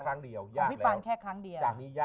แล้วช่างนี้ยากมากเลย